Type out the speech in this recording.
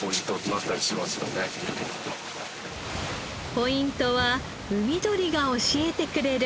ポイントは海鳥が教えてくれる。